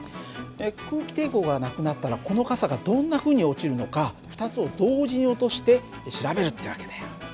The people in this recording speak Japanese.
空気抵抗がなくなったらこの傘がどんなふうに落ちるのか２つを同時に落として調べるって訳だよ。